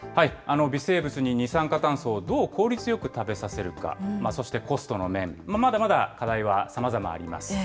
微生物に二酸化炭素をどう効率よく食べさせるか、そしてコストの面、まだまだ課題はさまざまあります。